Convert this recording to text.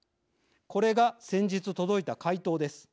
これが先日届いた回答です。